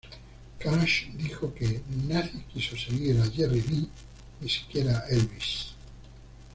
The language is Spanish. Cash, dijo que: "nadie quiso seguir a Jerry Lee, ni siquiera Elvis".